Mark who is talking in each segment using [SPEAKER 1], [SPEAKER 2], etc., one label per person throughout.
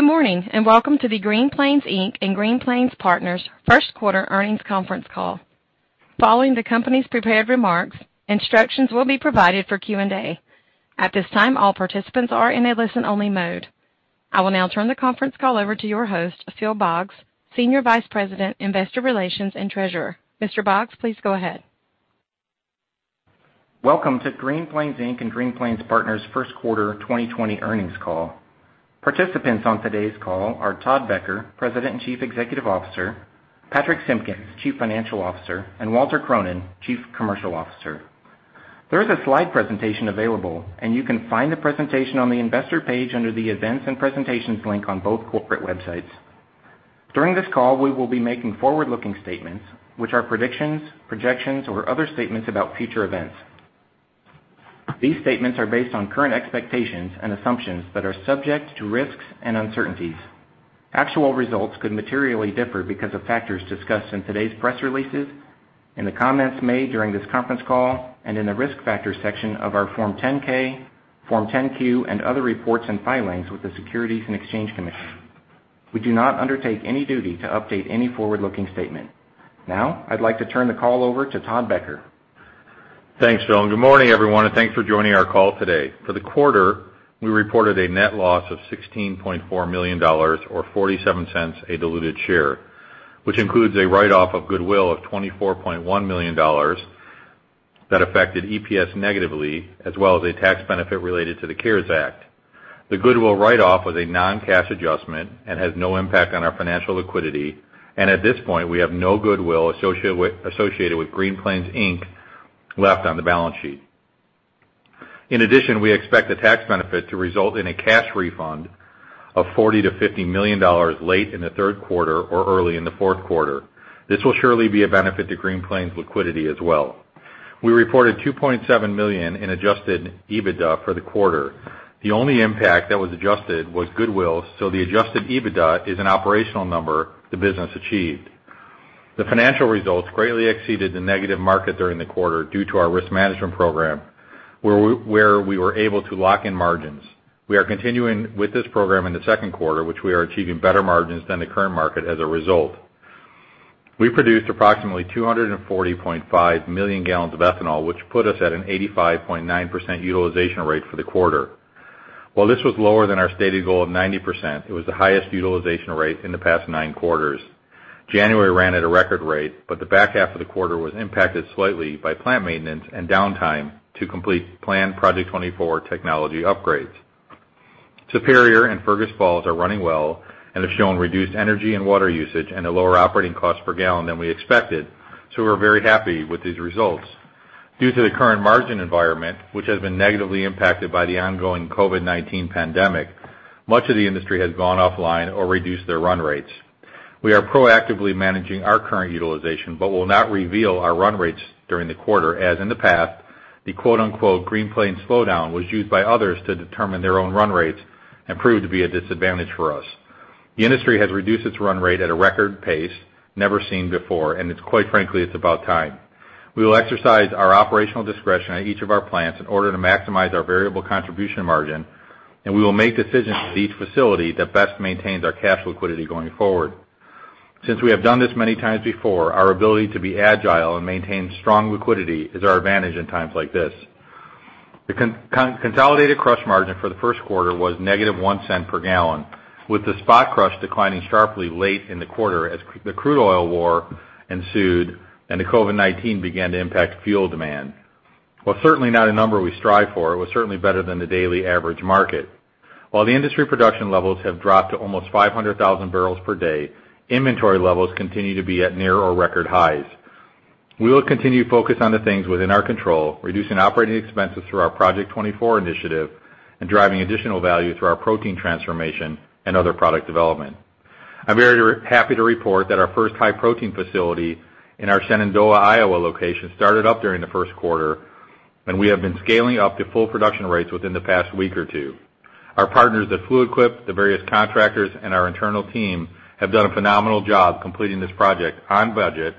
[SPEAKER 1] Good morning, and welcome to the Green Plains Inc and Green Plains Partners first quarter earnings conference call. Following the company's prepared remarks, instructions will be provided for Q&A. At this time, all participants are in a listen-only mode. I will now turn the conference call over to your host, Phil Boggs, Senior Vice President, Investor Relations and Treasurer. Mr. Boggs, please go ahead.
[SPEAKER 2] Welcome to Green Plains Inc and Green Plains Partners first quarter 2020 earnings call. Participants on today's call are Todd Becker, President and Chief Executive Officer, Patrich Simpkins, Chief Financial Officer, and Walter Cronin, Chief Commercial Officer. There is a slide presentation available, and you can find the presentation on the investor page under the events and presentations link on both corporate websites. During this call, we will be making forward-looking statements, which are predictions, projections, or other statements about future events. These statements are based on current expectations and assumptions that are subject to risks and uncertainties. Actual results could materially differ because of factors discussed in today's press releases, in the comments made during this conference call, and in the risk factors section of our Form 10-K, Form 10-Q, and other reports and filings with the Securities and Exchange Commission. We do not undertake any duty to update any forward-looking statement. Now, I'd like to turn the call over to Todd Becker.
[SPEAKER 3] Thanks, Phil. Good morning, everyone, and thanks for joining our call today. For the quarter, we reported a net loss of $16.4 million, or $0.47 a diluted share, which includes a write-off of goodwill of $24.1 million that affected EPS negatively, as well as a tax benefit related to the CARES Act. The goodwill write-off was a non-cash adjustment and has no impact on our financial liquidity, and at this point, we have no goodwill associated with Green Plains Inc left on the balance sheet. In addition, we expect the tax benefit to result in a cash refund of $40 million-$50 million late in the third quarter or early in the fourth quarter. This will surely be a benefit to Green Plains' liquidity as well. We reported $2.7 million in adjusted EBITDA for the quarter. The only impact that was adjusted was goodwill, so the adjusted EBITDA is an operational number the business achieved. The financial results greatly exceeded the negative market during the quarter due to our risk management program, where we were able to lock in margins. We are continuing with this program in the second quarter, which we are achieving better margins than the current market as a result. We produced approximately 240.5 million gallons of ethanol, which put us at an 85.9% utilization rate for the quarter. While this was lower than our stated goal of 90%, it was the highest utilization rate in the past nine quarters. January ran at a record rate, but the back half of the quarter was impacted slightly by plant maintenance and downtime to complete planned Project 24 technology upgrades. Superior and Fergus Falls are running well and have shown reduced energy and water usage and a lower operating cost per gallon than we expected, so we're very happy with these results. Due to the current margin environment, which has been negatively impacted by the ongoing COVID-19 pandemic, much of the industry has gone offline or reduced their run rates. We are proactively managing our current utilization, but will not reveal our run rates during the quarter, as in the past, the quote-unquote Green Plains slowdown was used by others to determine their own run rates and proved to be a disadvantage for us. The industry has reduced its run rate at a record pace never seen before, and quite frankly, it's about time. We will exercise our operational discretion at each of our plants in order to maximize our variable contribution margin, and we will make decisions at each facility that best maintains our cash liquidity going forward. Since we have done this many times before, our ability to be agile and maintain strong liquidity is our advantage in times like this. The consolidated crush margin for the first quarter was -$0.01 per gallon, with the spot crush declining sharply late in the quarter as the crude oil war ensued and the COVID-19 began to impact fuel demand. While certainly not a number we strive for, it was certainly better than the daily average market. While the industry production levels have dropped to almost 500,000 bbl per day, inventory levels continue to be at near or record highs. We will continue to focus on the things within our control, reducing operating expenses through our Project 24 initiative, and driving additional value through our protein transformation and other product development. I'm very happy to report that our first high-protein facility in our Shenandoah, Iowa location started up during the first quarter, and we have been scaling up to full production rates within the past week or two. Our partners at Fluid Quip, the various contractors, and our internal team have done a phenomenal job completing this project on budget,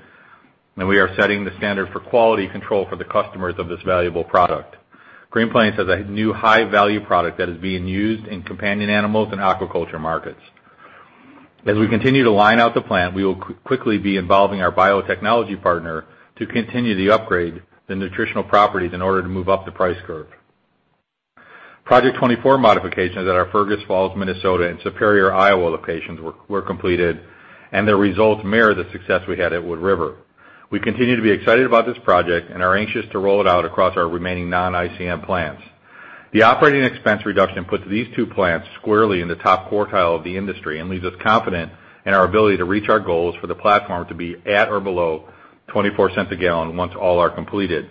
[SPEAKER 3] and we are setting the standard for quality control for the customers of this valuable product. Green Plains has a new high-value product that is being used in companion animals and aquaculture markets. As we continue to line out the plant, we will quickly be involving our biotechnology partner to continue to upgrade the nutritional properties in order to move up the price curve. Project 24 modifications at our Fergus Falls, Minnesota, and Superior, Iowa locations were completed, and the results mirror the success we had at Wood River. We continue to be excited about this project and are anxious to roll it out across our remaining non-ICM plants. The operating expense reduction puts these two plants squarely in the top quartile of the industry and leaves us confident in our ability to reach our goals for the platform to be at or below $0.24 a gallon once all are completed.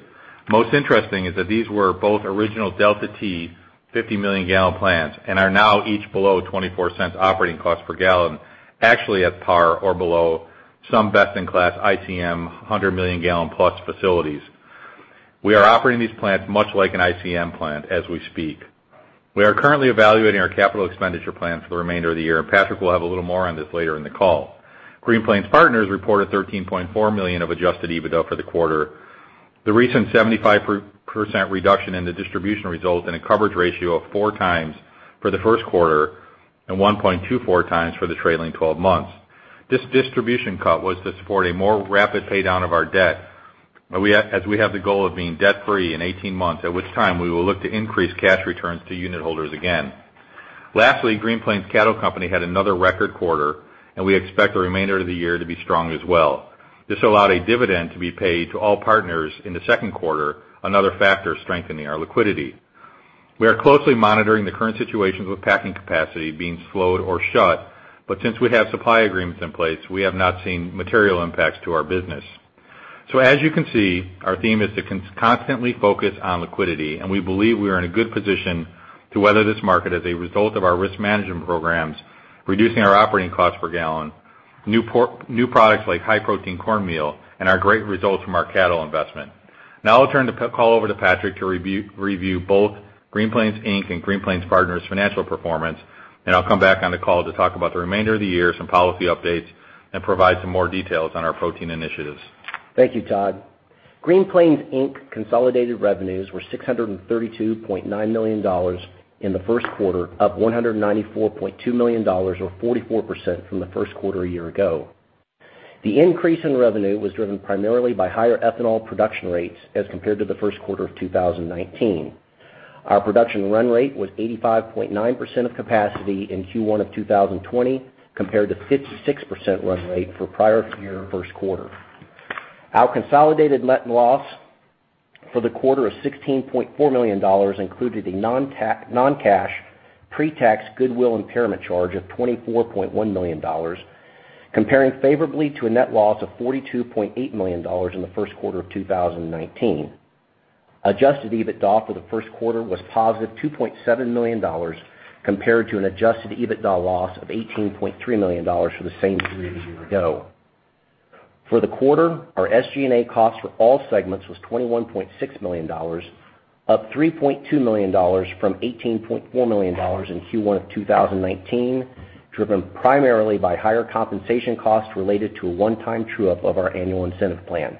[SPEAKER 3] Most interesting is that these were both original Delta-T 50 million-gallon plants and are now each below $0.24 operating cost per gallon, actually at par or below some best-in-class ICM 100 million-gallon-plus facilities. We are operating these plants much like an ICM plant as we speak. We are currently evaluating our capital expenditure plans for the remainder of the year. Patrich will have a little more on this later in the call. Green Plains Partners reported $13.4 million of adjusted EBITDA for the quarter. The recent 75% reduction in the distribution results in a coverage ratio of four times for the first quarter and 1.24 times for the trailing 12 months. This distribution cut was to support a more rapid pay-down of our debt. We have the goal of being debt-free in 18 months, at which time we will look to increase cash returns to unit holders again. Lastly, Green Plains Cattle Company had another record quarter, and we expect the remainder of the year to be strong as well. This allowed a dividend to be paid to all partners in the second quarter, another factor strengthening our liquidity. We are closely monitoring the current situations with packing capacity being slowed or shut, but since we have supply agreements in place, we have not seen material impacts to our business. As you can see, our theme is to constantly focus on liquidity, and we believe we are in a good position to weather this market as a result of our risk management programs, reducing our operating cost per gallon, new products like High-Protein Cornmeal, and our great results from our cattle investment. Now I'll turn the call over to Patrich to review both Green Plains Inc and Green Plains Partners' financial performance, and I'll come back on the call to talk about the remainder of the year, some policy updates, and provide some more details on our protein initiatives.
[SPEAKER 4] Thank you, Todd. Green Plains Inc consolidated revenues were $632.9 million in the first quarter, up $194.2 million or 44% from the first quarter a year ago. The increase in revenue was driven primarily by higher ethanol production rates as compared to the first quarter of 2019. Our production run rate was 85.9% of capacity in Q1 of 2020 compared to 56% run rate for prior year first quarter. Our consolidated net loss for the quarter of $16.4 million included a non-cash pre-tax goodwill impairment charge of $24.1 million, comparing favorably to a net loss of $42.8 million in the first quarter of 2019. Adjusted EBITDA for the first quarter was positive $2.7 million compared to an adjusted EBITDA loss of $18.3 million for the same quarter a year ago. For the quarter, our SG&A cost for all segments was $21.6 million, up $3.2 million from $18.4 million in Q1 of 2019, driven primarily by higher compensation costs related to a one-time true-up of our annual incentive plan.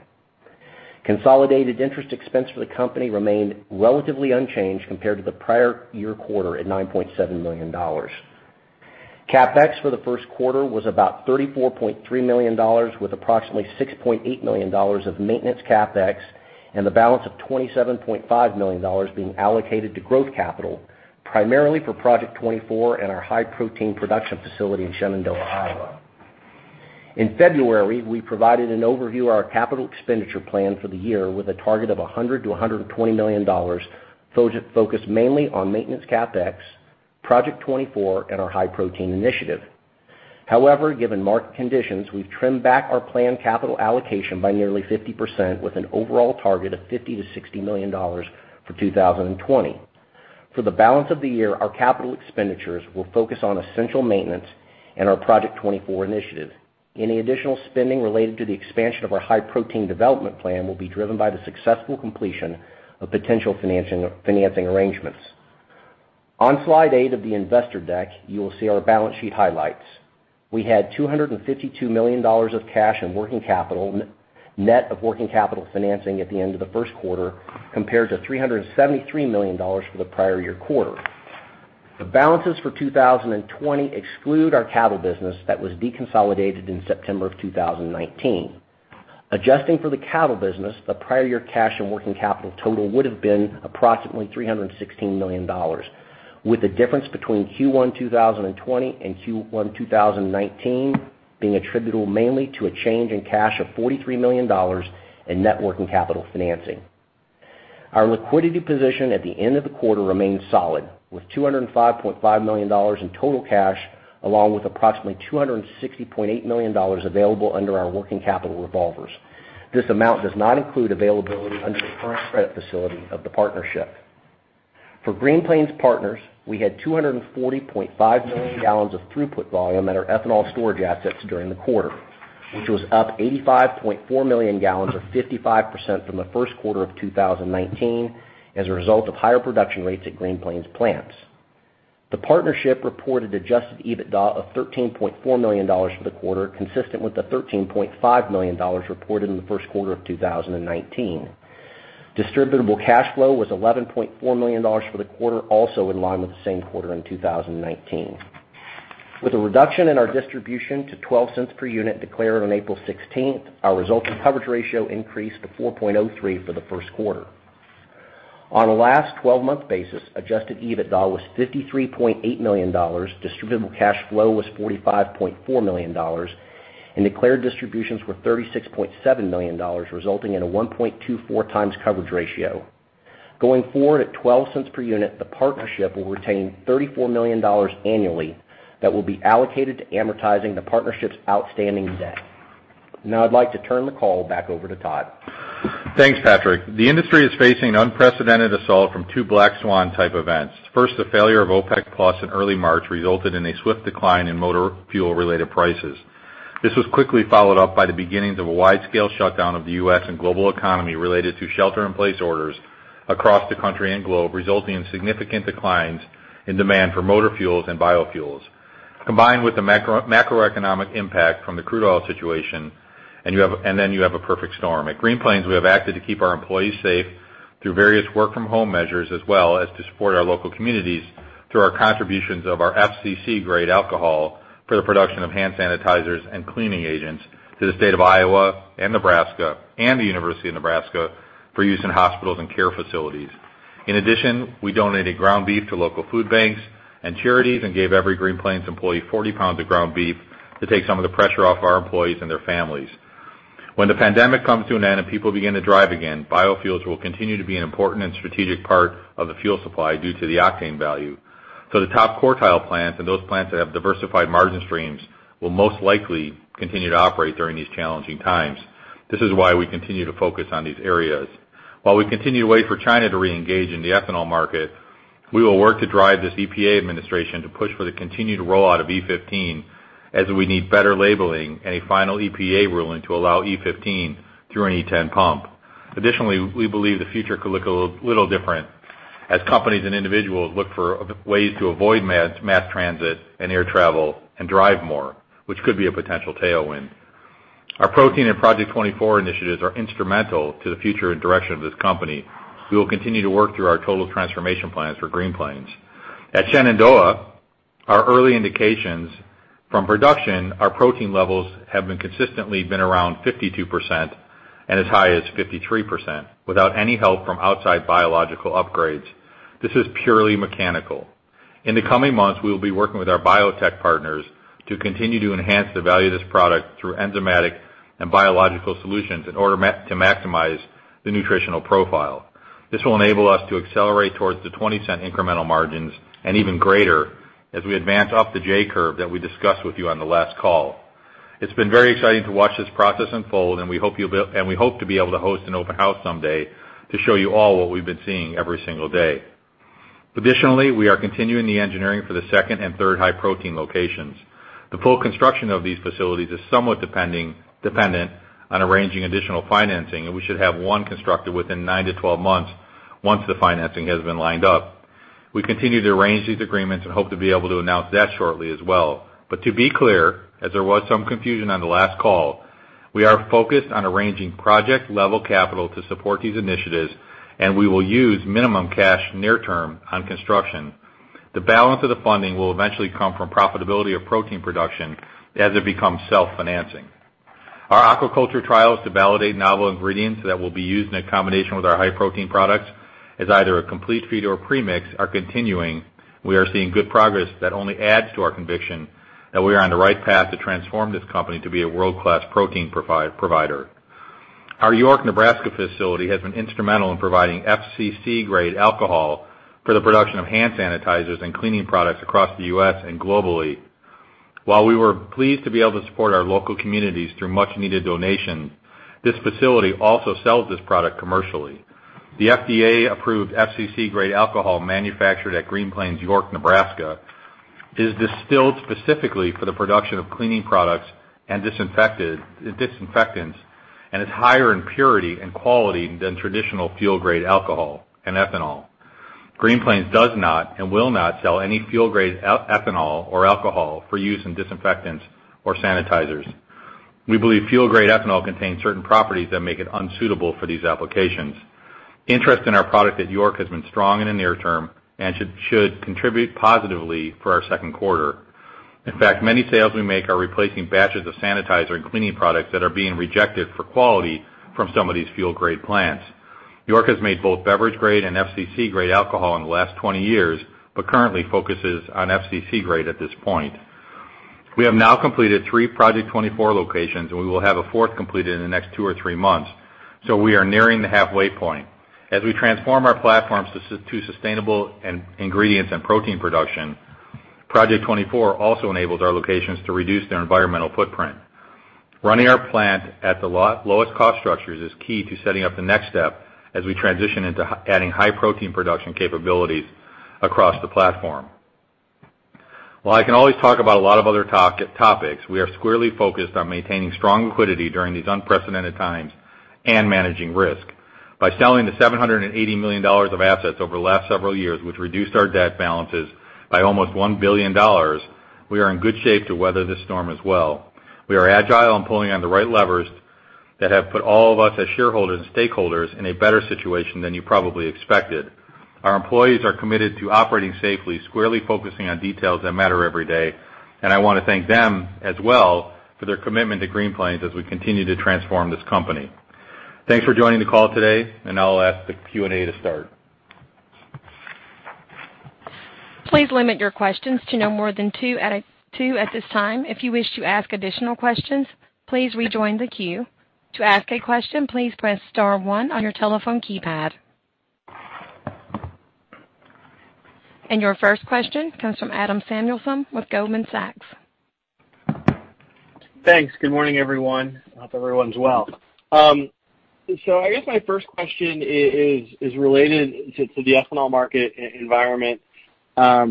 [SPEAKER 4] Consolidated interest expense for the company remained relatively unchanged compared to the prior year quarter at $9.7 million. CapEx for the first quarter was about $34.3 million, with approximately $6.8 million of maintenance CapEx and the balance of $27.5 million being allocated to growth capital, primarily for Project 24 and our high-protein production facility in Shenandoah, Iowa. In February, we provided an overview of our capital expenditure plan for the year with a target of $100 million-$120 million, focused mainly on maintenance CapEx, Project 24, and our high-protein initiative. However, given market conditions, we've trimmed back our planned capital allocation by nearly 50%, with an overall target of $50 million-$60 million for 2020. For the balance of the year, our capital expenditures will focus on essential maintenance and our Project 24 initiative. Any additional spending related to the expansion of our high-protein development plan will be driven by the successful completion of potential financing arrangements. On slide eight of the investor deck, you will see our balance sheet highlights. We had $252 million of cash and working capital, net of working capital financing at the end of the first quarter, compared to $373 million for the prior year quarter. The balances for 2020 exclude our cattle business that was deconsolidated in September of 2019. Adjusting for the cattle business, the prior year cash and working capital total would have been approximately $316 million, with the difference between Q1 2020 and Q1 2019 being attributable mainly to a change in cash of $43 million in net working capital financing. Our liquidity position at the end of the quarter remains solid, with $205.5 million in total cash, along with approximately $260.8 million available under our working capital revolvers. This amount does not include availability under the current credit facility of the partnership. For Green Plains Partners, we had 240.5 million gallons of throughput volume at our ethanol storage assets during the quarter, which was up 85.4 million gallons or 55% from the first quarter of 2019 as a result of higher production rates at Green Plains plants. The partnership reported adjusted EBITDA of $13.4 million for the quarter, consistent with the $13.5 million reported in the first quarter of 2019. Distributable cash flow was $11.4 million for the quarter, also in line with the same quarter in 2019. With a reduction in our distribution to $0.12 per unit declared on April 16th, our resulting coverage ratio increased to 4.03 for the first quarter. On a last 12-month basis, adjusted EBITDA was $53.8 million, distributable cash flow was $45.4 million, and declared distributions were $36.7 million, resulting in a 1.24 times coverage ratio. Going forward, at $0.12 per unit, the partnership will retain $34 million annually that will be allocated to amortizing the partnership's outstanding debt. Now I'd like to turn the call back over to Todd.
[SPEAKER 3] Thanks, Patrich. The industry is facing an unprecedented assault from two black swan type events. First, the failure of OPEC+ in early March resulted in a swift decline in motor fuel-related prices. This was quickly followed up by the beginnings of a wide-scale shutdown of the U.S. and global economy related to shelter in place orders across the country and globe, resulting in significant declines in demand for motor fuels and biofuels. Combined with the macroeconomic impact from the crude oil situation, and then you have a perfect storm. At Green Plains, we have acted to keep our employees safe through various work-from-home measures, as well as to support our local communities through our contributions of our FCC-grade alcohol for the production of hand sanitizers and cleaning agents to the state of Iowa and Nebraska, and the University of Nebraska for use in hospitals and care facilities. In addition, we donated ground beef to local food banks and charities and gave every Green Plains employee 40 lbs of ground beef to take some of the pressure off our employees and their families. When the pandemic comes to an end and people begin to drive again, biofuels will continue to be an important and strategic part of the fuel supply due to the octane value. The top quartile plants and those plants that have diversified margin streams will most likely continue to operate during these challenging times. This is why we continue to focus on these areas. While we continue to wait for China to reengage in the ethanol market, we will work to drive this EPA Administration to push for the continued rollout of E15, as we need better labeling and a final EPA ruling to allow E15 through an E10 pump. Additionally, we believe the future could look a little different as companies and individuals look for ways to avoid mass transit and air travel and drive more, which could be a potential tailwind. Our protein and Project 24 initiatives are instrumental to the future and direction of this company. We will continue to work through our Total Transformation Plans for Green Plains. At Shenandoah, our early indications from production, our protein levels have been consistently around 52% and as high as 53%, without any help from outside biological upgrades. This is purely mechanical. In the coming months, we will be working with our biotech partners to continue to enhance the value of this product through enzymatic and biological solutions in order to maximize the nutritional profile. This will enable us to accelerate towards the $0.20 incremental margins and even greater as we advance up the J-curve that we discussed with you on the last call. It's been very exciting to watch this process unfold, and we hope to be able to host an open house someday to show you all what we've been seeing every single day. Additionally, we are continuing the engineering for the second and third high protein locations. The full construction of these facilities is somewhat dependent on arranging additional financing, and we should have one constructed within 9-12 months, once the financing has been lined up. We continue to arrange these agreements and hope to be able to announce that shortly as well. To be clear, as there was some confusion on the last call, we are focused on arranging project-level capital to support these initiatives, and we will use minimum cash near term on construction. The balance of the funding will eventually come from profitability of protein production as it becomes self-financing. Our aquaculture trials to validate novel ingredients that will be used in combination with our high protein products as either a complete feed or premix are continuing. We are seeing good progress that only adds to our conviction that we are on the right path to transform this company to be a world-class protein provider. Our York, Nebraska facility has been instrumental in providing FCC-grade alcohol for the production of hand sanitizers and cleaning products across the U.S. and globally. While we were pleased to be able to support our local communities through much needed donations, this facility also sells this product commercially. The FDA-approved FCC-grade alcohol manufactured at Green Plains, York, Nebraska, is distilled specifically for the production of cleaning products and disinfectants, and is higher in purity and quality than traditional fuel-grade alcohol and ethanol. Green Plains does not and will not sell any fuel-grade ethanol or alcohol for use in disinfectants or sanitizers. We believe fuel-grade ethanol contains certain properties that make it unsuitable for these applications. Interest in our product at York has been strong in the near term and should contribute positively for our second quarter. In fact, many sales we make are replacing batches of sanitizer and cleaning products that are being rejected for quality from some of these fuel-grade plants. York has made both beverage-grade and FCC-grade alcohol in the last 20 years, but currently focuses on FCC-grade at this point. We have now completed three Project 24 locations, and we will have a fourth completed in the next two or three months. We are nearing the halfway point. As we transform our platform to sustainable ingredients and protein production, Project 24 also enables our locations to reduce their environmental footprint. Running our plant at the lowest cost structures is key to setting up the next step as we transition into adding high protein production capabilities across the platform. While I can always talk about a lot of other topics, we are squarely focused on maintaining strong liquidity during these unprecedented times and managing risk. By selling the $780 million of assets over the last several years, which reduced our debt balances by almost $1 billion, we are in good shape to weather this storm as well. We are agile and pulling on the right levers that have put all of us as shareholders and stakeholders in a better situation than you probably expected. Our employees are committed to operating safely, squarely focusing on details that matter every day, and I want to thank them as well for their commitment to Green Plains as we continue to transform this company. Thanks for joining the call today, and I'll ask the Q&A to start.
[SPEAKER 1] Please limit your questions to no more than two at this time. If you wish to ask additional questions, please rejoin the queue. To ask a question, please press star one on your telephone keypad. Your first question comes from Adam Samuelson with Goldman Sachs.
[SPEAKER 5] Thanks. Good morning, everyone. I hope everyone's well. I guess my first question is related to the ethanol market environment. Todd,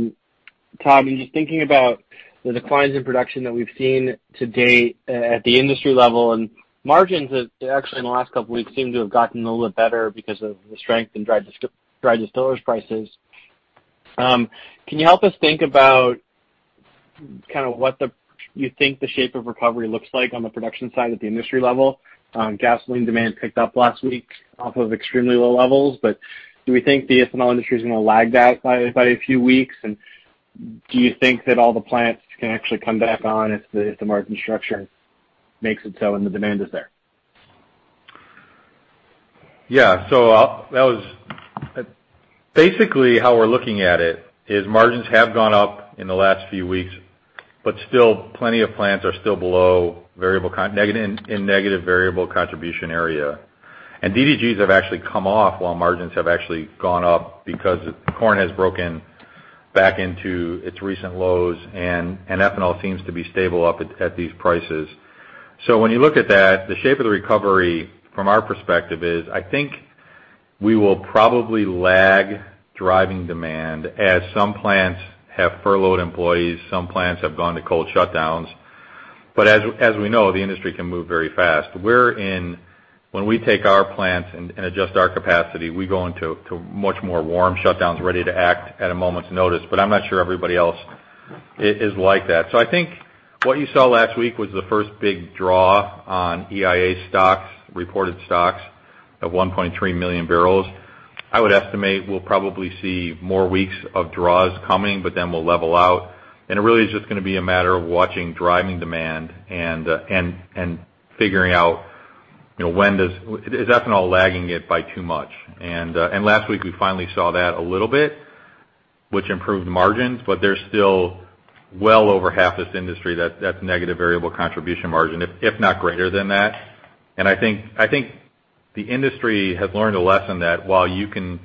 [SPEAKER 5] just thinking about the declines in production that we've seen to date at the industry level and margins actually in the last couple of weeks seem to have gotten a little bit better because of the strength in dried distillers' prices. Can you help us think about kind of what you think the shape of recovery looks like on the production side at the industry level? Gasoline demand picked up last week off of extremely low levels, do we think the ethanol industry is going to lag that by a few weeks? Do you think that all the plants can actually come back on if the margin structure makes it so and the demand is there?
[SPEAKER 3] Yeah. Basically, how we're looking at it is margins have gone up in the last few weeks, but still plenty of plants are still below in negative variable contribution area. DDGs have actually come off while margins have actually gone up because corn has broken back into its recent lows and ethanol seems to be stable up at these prices. When you look at that, the shape of the recovery from our perspective is, I think we will probably lag driving demand as some plants have furloughed employees, some plants have gone to cold shutdowns. As we know, the industry can move very fast. When we take our plants and adjust our capacity, we go into much more warm shutdowns, ready to act at a moment's notice, but I'm not sure everybody else is like that. I think what you saw last week was the first big draw on EIA reported stocks of 1.3 million barrels. I would estimate we'll probably see more weeks of draws coming, but then we'll level out, and it really is just going to be a matter of watching driving demand and figuring out is ethanol lagging it by too much. Last week, we finally saw that a little bit, which improved margins, but there's still well over half this industry that's negative variable contribution margin, if not greater than that. I think the industry has learned a lesson that while you can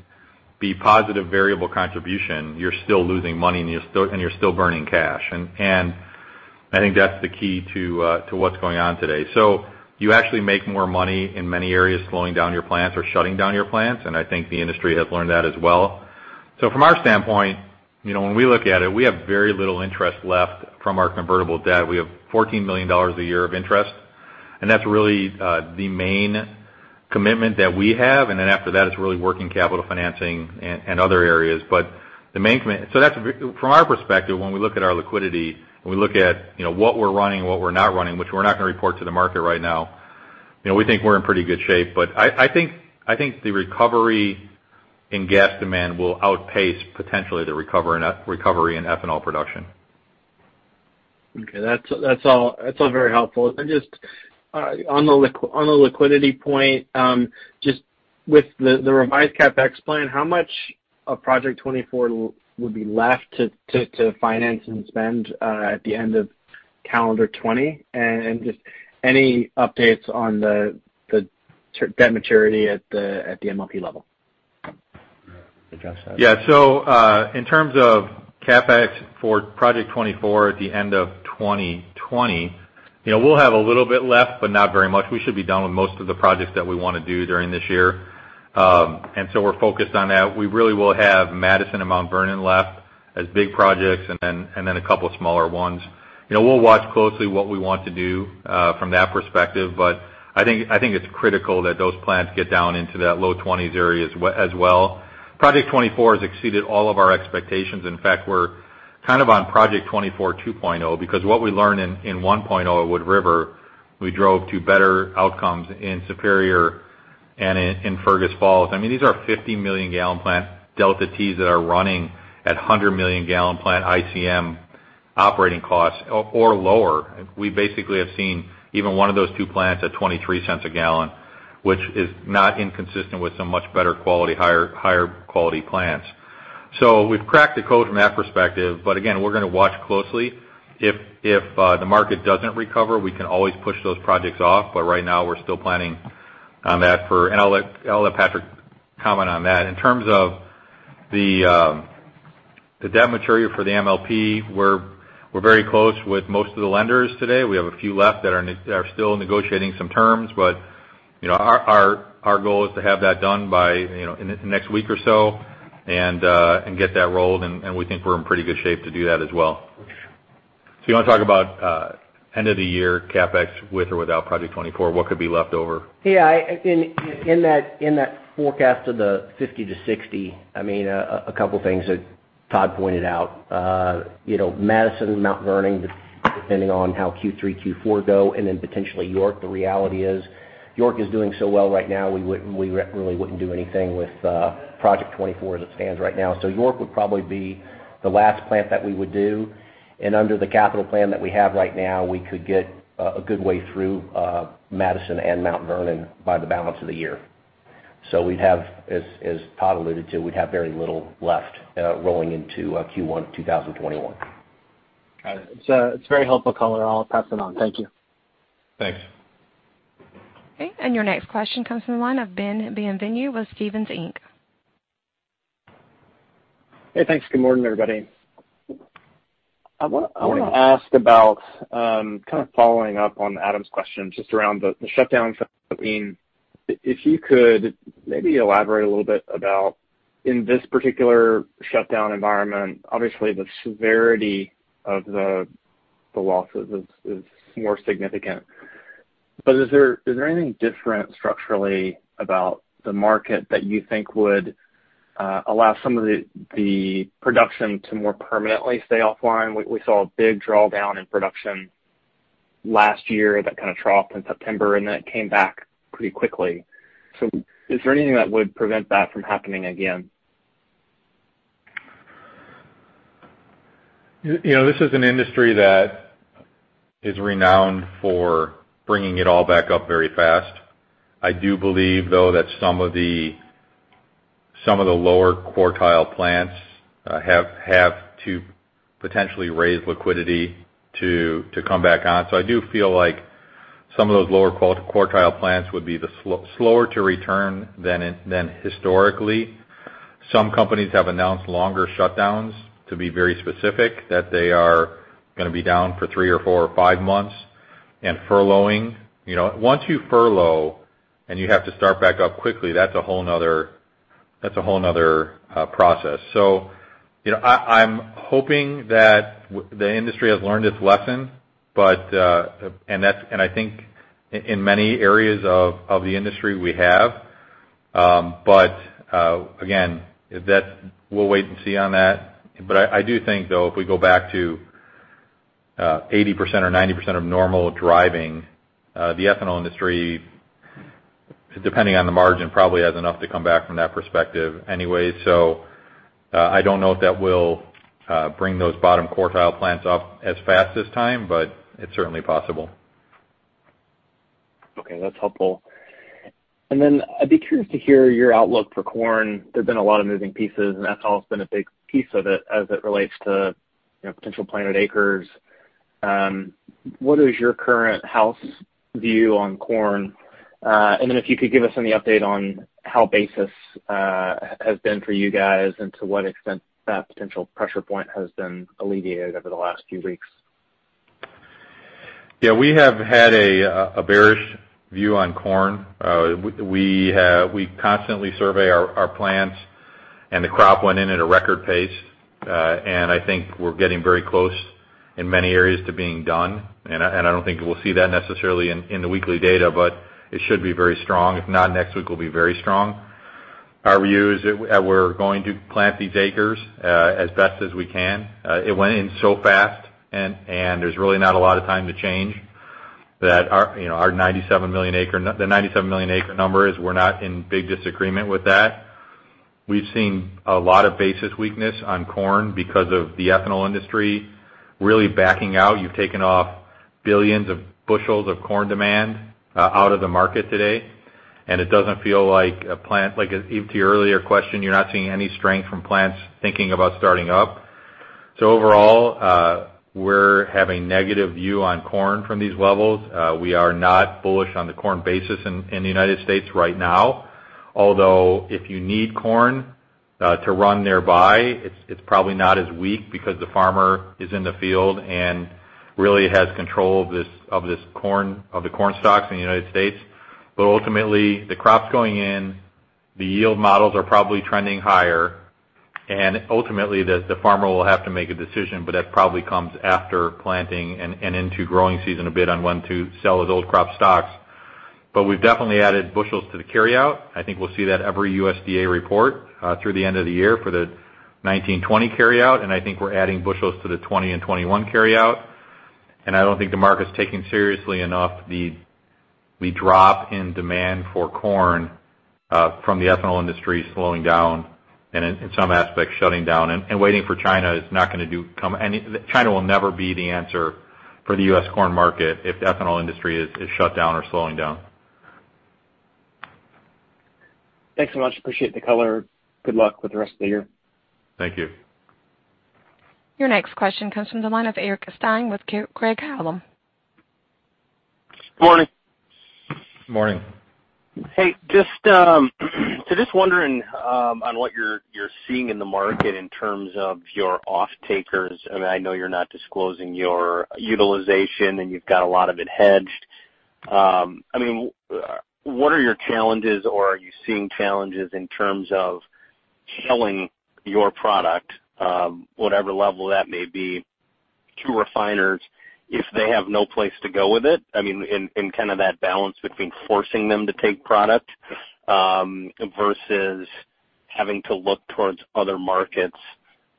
[SPEAKER 3] be positive variable contribution, you're still losing money and you're still burning cash. I think that's the key to what's going on today. You actually make more money in many areas slowing down your plants or shutting down your plants, and I think the industry has learned that as well. From our standpoint, when we look at it, we have very little interest left from our convertible debt. We have $14 million a year of interest, and that's really the main commitment that we have, and then after that, it's really working capital financing and other areas. From our perspective, when we look at our liquidity, when we look at what we're running and what we're not running, which we're not going to report to the market right now, we think we're in pretty good shape. I think the recovery in gas demand will outpace potentially the recovery in ethanol production.
[SPEAKER 5] Okay. That's all very helpful. Then just on the liquidity point, just with the revised CapEx plan, how much of Project 24 would be left to finance and spend at the end of calendar 2020? Just any updates on the debt maturity at the MLP level? You want to address that?
[SPEAKER 3] Yeah. In terms of CapEx for Project 24 at the end of 2020, we'll have a little bit left, but not very much. We should be done with most of the projects that we want to do during this year. We're focused on that. We really will have Madison and Mount Vernon left as big projects and then a couple of smaller ones. We'll watch closely what we want to do from that perspective, but I think it's critical that those plants get down into that low 20s area as well. Project 24 has exceeded all of our expectations. In fact, we're on Project 24 2.0 because what we learned in 1.0 at Wood River, we drove to better outcomes in Superior and in Fergus Falls. These are 50 million gallon plant Delta-T that are running at 100 million gallon plant ICM operating costs or lower. We basically have seen even one of those two plants at $0.23 a gallon, which is not inconsistent with some much better quality, higher quality plants. We've cracked the code from that perspective. Again, we're going to watch closely. If the market doesn't recover, we can always push those projects off. Right now, we're still planning on that for. And I'll let Patrich comment on that. In terms of the debt maturity for the MLP, we're very close with most of the lenders today. We have a few left that are still negotiating some terms, but our goal is to have that done by next week or so and get that rolled, and we think we're in pretty good shape to do that as well. Do you want to talk about end of the year CapEx with or without Project 24, what could be left over?
[SPEAKER 4] Yeah. In that forecast of the $50 million-$60 million, I mean, a couple of things that Todd pointed out. Madison and Mount Vernon, depending on how Q3, Q4 go, and then potentially York. The reality is York is doing so well right now, we really wouldn't do anything with Project 24 as it stands right now. York would probably be the last plant that we would do. Under the capital plan that we have right now, we could get a good way through Madison and Mount Vernon by the balance of the year. As Todd alluded to, we'd have very little left rolling into Q1 2021.
[SPEAKER 5] Got it. It's very helpful color. I'll pass it on. Thank you.
[SPEAKER 3] Thanks.
[SPEAKER 1] Okay, your next question comes from the line of Ben Bienvenu with Stephens Inc.
[SPEAKER 6] Hey, thanks. Good morning, everybody. I want to ask about, kind of following up on Adam's question, just around the shutdown. If you could maybe elaborate a little bit about, in this particular shutdown environment, obviously, the severity of the losses is more significant. Is there anything different structurally about the market that you think would allow some of the production to more permanently stay offline? We saw a big drawdown in production last year, that kind of trough in September, and then it came back pretty quickly. Is there anything that would prevent that from happening again?
[SPEAKER 3] This is an industry that is renowned for bringing it all back up very fast. I do believe, though, that some of the lower quartile plants have to potentially raise liquidity to come back on. I do feel like some of those lower quartile plants would be slower to return than historically. Some companies have announced longer shutdowns, to be very specific, that they are going to be down for three or four or five months and furloughing. Once you furlough and you have to start back up quickly, that's a whole other process. I'm hoping that the industry has learned its lesson, and I think in many areas of the industry, we have. Again, we'll wait and see on that. I do think, though, if we go back to 80% or 90% of normal driving, the ethanol industry, depending on the margin, probably has enough to come back from that perspective anyway. I don't know if that will bring those bottom quartile plants up as fast this time, but it's certainly possible.
[SPEAKER 6] Okay, that's helpful. I'd be curious to hear your outlook for corn. There's been a lot of moving pieces, and ethanol's been a big piece of it as it relates to potential planted acres. What is your current house view on corn? If you could give us any update on how basis has been for you guys and to what extent that potential pressure point has been alleviated over the last few weeks.
[SPEAKER 3] Yeah, we have had a bearish view on corn. We constantly survey our plants, and the crop went in at a record pace. I think we're getting very close in many areas to being done, and I don't think we'll see that necessarily in the weekly data, but it should be very strong. If not, next week will be very strong. Our view is that we're going to plant these acres as best as we can. It went in so fast, and there's really not a lot of time to change. The 97 million acre number is we're not in big disagreement with that. We've seen a lot of basis weakness on corn because of the ethanol industry really backing out. You've taken off billions of bushels of corn demand out of the market today. It doesn't feel like to your earlier question, you're not seeing any strength from plants thinking about starting up. Overall, we have a negative view on corn from these levels. We are not bullish on the corn basis in the United States right now. Although if you need corn to run nearby, it's probably not as weak because the farmer is in the field and really has control of the corn stocks in the United States. Ultimately, the crop's going in, the yield models are probably trending higher, and ultimately, the farmer will have to make a decision, but that probably comes after planting and into growing season a bit on when to sell his old crop stocks. We've definitely added bushels to the carryout. I think we'll see that every USDA report through the end of the year for the 2019, 2020 carryout, I think we're adding bushels to the 2020 and 2021 carryout. I don't think the market's taking seriously enough the drop in demand for corn from the ethanol industry slowing down and in some aspects, shutting down. Waiting for China is not going to do, China will never be the answer for the U.S. corn market if the ethanol industry is shut down or slowing down.
[SPEAKER 6] Thanks so much. Appreciate the color. Good luck with the rest of the year.
[SPEAKER 3] Thank you.
[SPEAKER 1] Your next question comes from the line of Eric Stine with Craig-Hallum.
[SPEAKER 7] Morning.
[SPEAKER 3] Morning.
[SPEAKER 7] Hey, just wondering on what you're seeing in the market in terms of your off-takers. I know you're not disclosing your utilization, and you've got a lot of it hedged. What are your challenges, or are you seeing challenges in terms of selling your product, whatever level that may be, to refiners, if they have no place to go with it? In kind of that balance between forcing them to take product versus having to look towards other markets,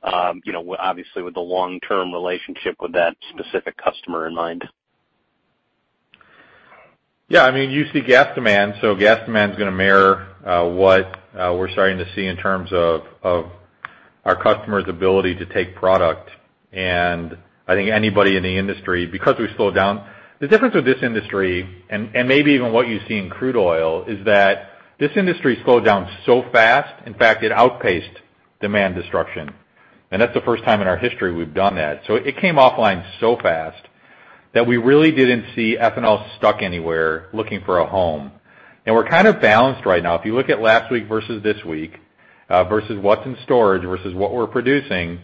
[SPEAKER 7] obviously with the long-term relationship with that specific customer in mind.
[SPEAKER 3] Yeah, you see gas demand. Gas demand is going to mirror what we're starting to see in terms of our customers' ability to take product. I think anybody in the industry, because we've slowed down. The difference with this industry, and maybe even what you see in crude oil, is that this industry slowed down so fast. In fact, it outpaced demand destruction. That's the first time in our history we've done that. It came offline so fast that we really didn't see ethanol stuck anywhere looking for a home. We're kind of balanced right now. If you look at last week versus this week versus what's in storage versus what we're producing,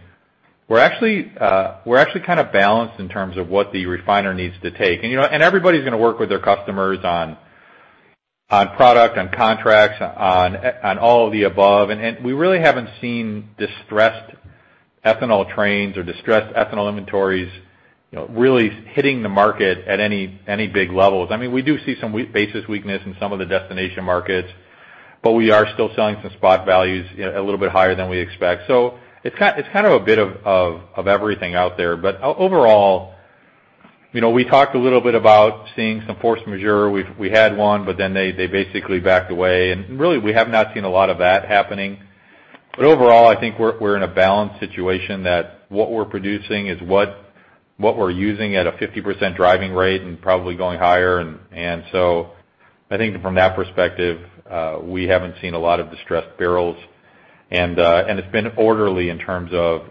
[SPEAKER 3] we're actually kind of balanced in terms of what the refiner needs to take. Everybody's going to work with their customers on product, on contracts, on all of the above. We really haven't seen distressed ethanol trains or distressed ethanol inventories really hitting the market at any big levels. We do see some basis weakness in some of the destination markets, we are still selling some spot values a little bit higher than we expect. It's kind of a bit of everything out there. Overall, we talked a little bit about seeing some force majeure. We had one, then they basically backed away. Really, we have not seen a lot of that happening. Overall, I think we're in a balanced situation that what we're producing is what we're using at a 50% driving rate and probably going higher. I think from that perspective, we haven't seen a lot of distressed barrels. It's been orderly in terms of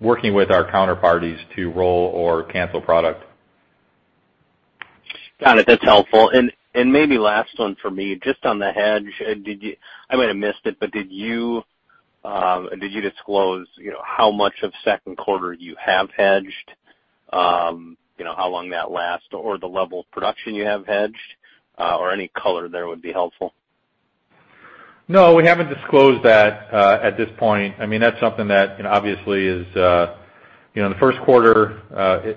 [SPEAKER 3] working with our counterparties to roll or cancel product.
[SPEAKER 7] Got it. That's helpful. Maybe last one for me, just on the hedge. I might have missed it, but did you disclose how much of second quarter you have hedged? How long that lasts, or the level of production you have hedged, or any color there would be helpful?
[SPEAKER 3] No, we haven't disclosed that at this point. That's something that, obviously, the first quarter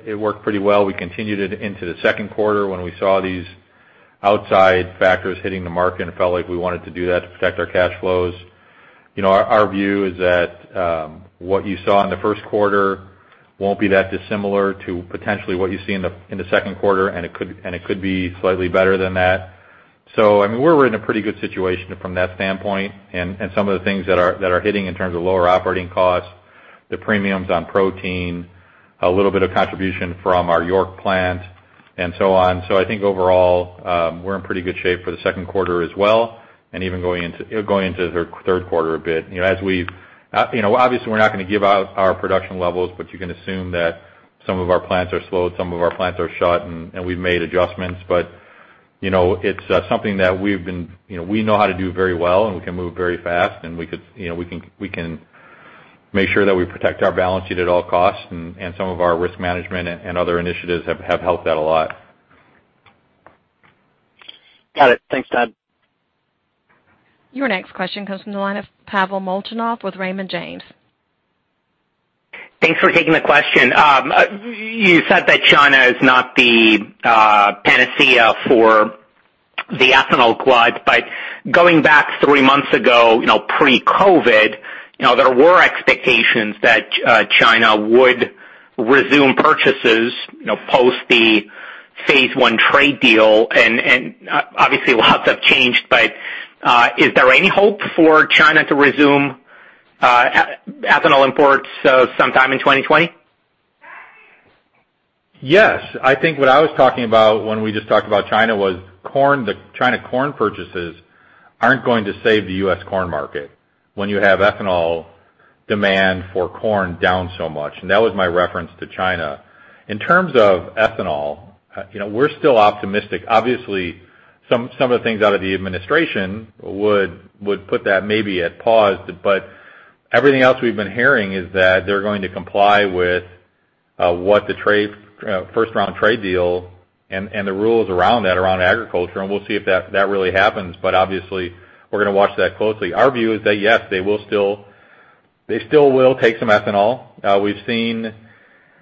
[SPEAKER 3] it worked pretty well. We continued it into the second quarter when we saw these outside factors hitting the market and felt like we wanted to do that to protect our cash flows. Our view is that what you saw in the first quarter won't be that dissimilar to potentially what you see in the second quarter, and it could be slightly better than that. We're in a pretty good situation from that standpoint and some of the things that are hitting in terms of lower operating costs, the premiums on protein, a little bit of contribution from our York plant, and so on. I think overall, we're in pretty good shape for the second quarter as well, and even going into the third quarter a bit. Obviously, we're not going to give out our production levels, but you can assume that some of our plants are slowed, some of our plants are shut, and we've made adjustments. It's something that we know how to do very well, and we can move very fast, and we can make sure that we protect our balance sheet at all costs, and some of our risk management and other initiatives have helped that a lot.
[SPEAKER 7] Got it. Thanks, Todd.
[SPEAKER 1] Your next question comes from the line of Pavel Molchanov with Raymond James.
[SPEAKER 8] Thanks for taking the question. You said that China is not the panacea for the ethanol glut, but going back three months ago, pre-COVID, there were expectations that China would resume purchases, post the phase I trade deal. Obviously, lots have changed, but is there any hope for China to resume ethanol imports sometime in 2020?
[SPEAKER 3] Yes. I think what I was talking about when we just talked about China was the China corn purchases aren't going to save the U.S. corn market when you have ethanol demand for corn down so much. That was my reference to China. In terms of ethanol, we're still optimistic. Obviously, some of the things out of the administration would put that maybe at pause. Everything else we've been hearing is that they're going to comply with what the first-round trade deal and the rules around that, around agriculture, and we'll see if that really happens. Obviously, we're going to watch that closely. Our view is that, yes, they still will take some ethanol. We've seen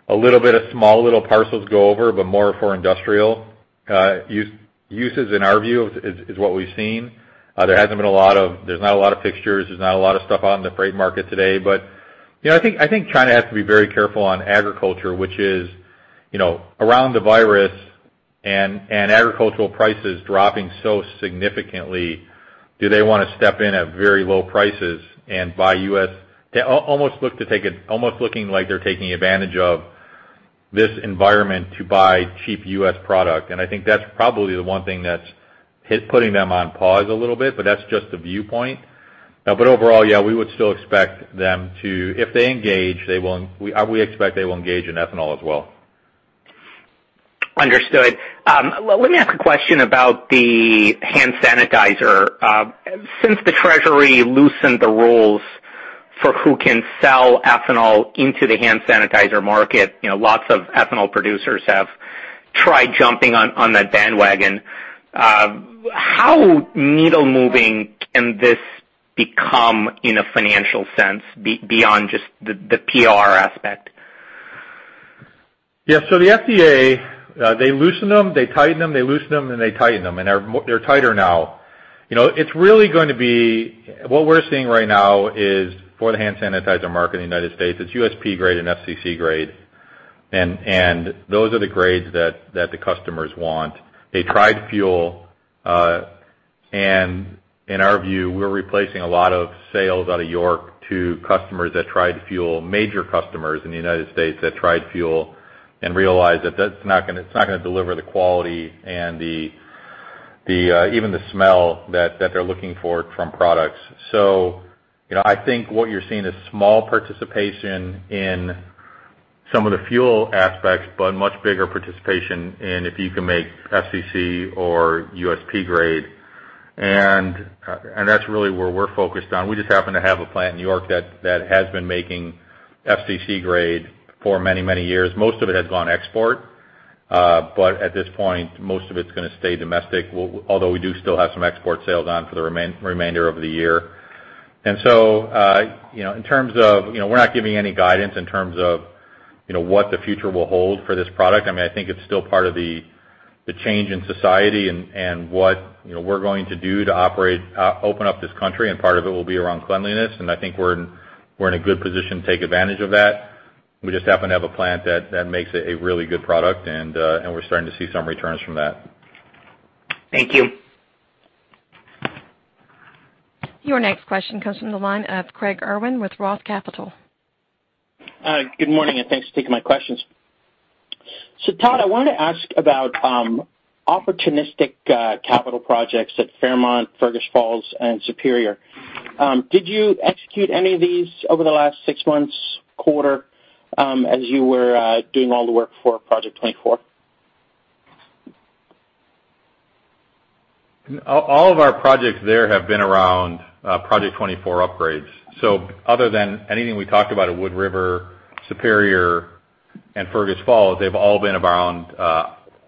[SPEAKER 3] a little bit of small little parcels go over, but more for industrial uses in our view, is what we've seen. There's not a lot of fixtures, there's not a lot of stuff out in the freight market today. I think China has to be very careful on agriculture, which is, around the virus and agricultural prices dropping so significantly, do they want to step in at very low prices and buy almost looking like they're taking advantage of this environment to buy cheap U.S. product. I think that's probably the one thing that's putting them on pause a little bit, that's just a viewpoint. Overall, yeah, we would still expect them to, if they engage, we expect they will engage in ethanol as well.
[SPEAKER 8] Understood. Let me ask a question about the hand sanitizer. Since the Treasury loosened the rules for who can sell ethanol into the hand sanitizer market, lots of ethanol producers have tried jumping on that bandwagon. How needle-moving can this become in a financial sense, beyond just the PR aspect?
[SPEAKER 3] Yeah. The FDA, they loosen them, they tighten them, they loosen them, and they tighten them, and they're tighter now. What we're seeing right now is for the hand sanitizer market in the United States, it's USP grade and FCC grade. Those are the grades that the customers want. They tried fuel, and in our view, we're replacing a lot of sales out of York to customers that tried fuel, major customers in the United States that tried fuel and realized that it's not going to deliver the quality and even the smell that they're looking for from products. I think what you're seeing is small participation in some of the fuel aspects, but much bigger participation in if you can make FCC or USP grade. That's really where we're focused on. We just happen to have a plant in York that has been making FCC grade for many, many years. Most of it has gone export. At this point, most of it's going to stay domestic, although we do still have some export sales on for the remainder of the year. We're not giving any guidance in terms of what the future will hold for this product. I think it's still part of the change in society and what we're going to do to open up this country, and part of it will be around cleanliness, and I think we're in a good position to take advantage of that. We just happen to have a plant that makes a really good product, and we're starting to see some returns from that.
[SPEAKER 8] Thank you.
[SPEAKER 1] Your next question comes from the line of Craig Irwin with Roth Capital.
[SPEAKER 9] Good morning, thanks for taking my questions. Todd, I wanted to ask about opportunistic capital projects at Fairmont, Fergus Falls and Superior. Did you execute any of these over the last six months, quarter, as you were doing all the work for Project 24?
[SPEAKER 3] All of our projects there have been around Project 24 upgrades. Other than anything we talked about at Wood River, Superior and Fergus Falls, they've all been around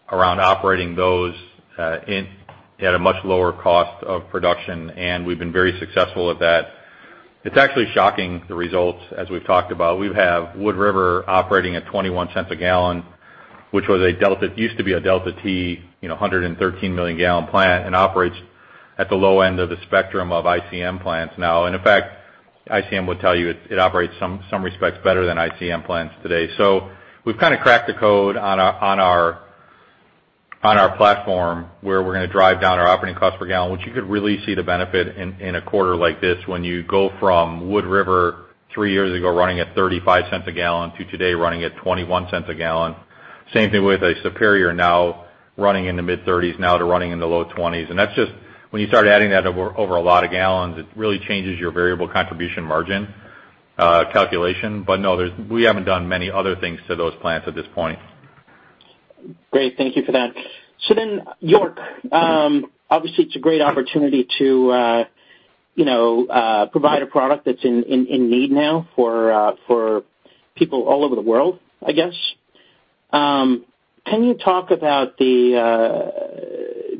[SPEAKER 3] operating those at a much lower cost of production, and we've been very successful at that. It's actually shocking, the results, as we've talked about. We have Wood River operating at $0.21 a gallon, which used to be a Delta-T, 113 million gallon plant, and operates at the low end of the spectrum of ICM plants now. In fact, ICM would tell you it operates in some respects better than ICM plants today. We've cracked the code on our platform where we're going to drive down our operating cost per gallon, which you could really see the benefit in a quarter like this when you go from Wood River three years ago running at $0.35 a gallon to today running at $0.21 a gallon. Same thing with Superior now running in the mid-$0.30s now to running in the low $0.20s. When you start adding that over a lot of gallons, it really changes your variable contribution margin calculation. No, we haven't done many other things to those plants at this point.
[SPEAKER 9] Great. Thank you for that. Then, York. Obviously it's a great opportunity to provide a product that's in need now for people all over the world, I guess. Can you talk about the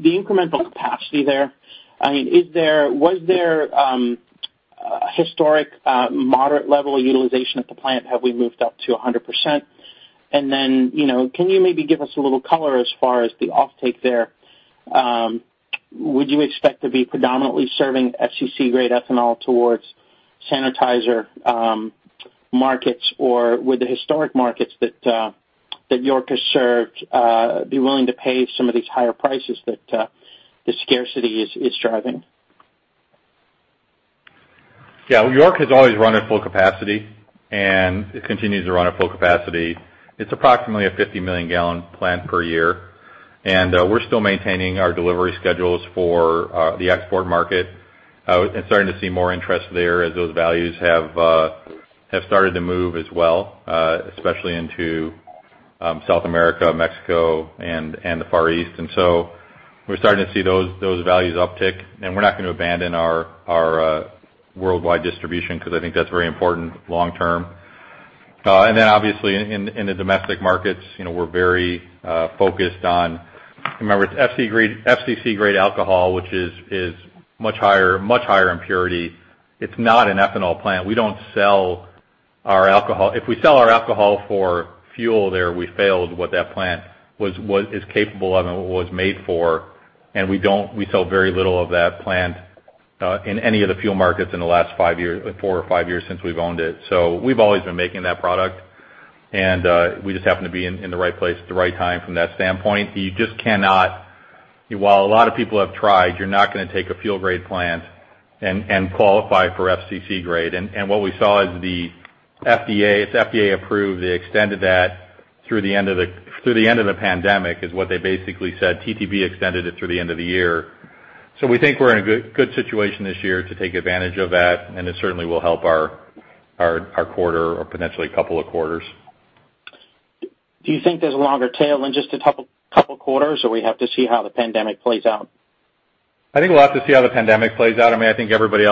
[SPEAKER 9] incremental capacity there? Was there historic moderate level utilization at the plant? Have we moved up to 100%? Then can you maybe give us a little color as far as the offtake there? Would you expect to be predominantly serving FCC-grade ethanol towards sanitizer markets, or would the historic markets that York has served be willing to pay some of these higher prices that the scarcity is driving?
[SPEAKER 3] Yeah. York has always run at full capacity, and it continues to run at full capacity. It's approximately a 50 million gallon plant per year. We're still maintaining our delivery schedules for the export market, and starting to see more interest there as those values have started to move as well, especially into South America, Mexico and the Far East. So we're starting to see those values uptick. We're not going to abandon our worldwide distribution because I think that's very important long term. Then obviously in the domestic markets, we're very focused on-- remember, it's FCC-grade alcohol, which is much higher in purity. It's not an ethanol plant. If we sell our alcohol for fuel there, we failed what that plant is capable of and what it was made for. We sell very little of that plant in any of the fuel markets in the last four or five years since we've owned it. We've always been making that product, and we just happen to be in the right place at the right time from that standpoint. While a lot of people have tried, you're not going to take a fuel grade plant and qualify for FCC grade. What we saw is the FDA approved, they extended that through the end of the pandemic, is what they basically said. TTB extended it through the end of the year. We think we're in a good situation this year to take advantage of that, and it certainly will help our quarter or potentially a couple of quarters.
[SPEAKER 9] Do you think there's a longer tail than just a couple of quarters, or we have to see how the pandemic plays out?
[SPEAKER 3] I think we'll have to see how the pandemic plays out. I think everybody